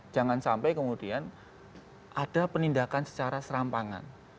jangan sampai kemudian ada penindakan secara serampangan